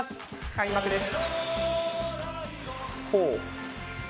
開幕です。